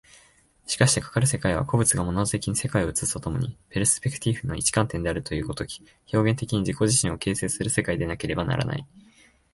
しかしてかかる世界は、個物がモナド的に世界を映すと共にペルスペクティーフの一観点であるという如き、表現的に自己自身を形成する世界でなければならない。